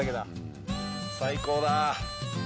最高だ。